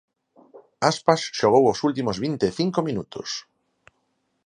Aspas xogou os últimos vinte e cinco minutos.